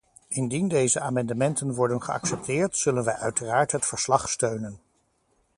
Indien deze amendementen worden geaccepteerd, zullen wij uiteraard het verslag steunen.